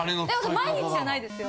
毎日じゃないですよ。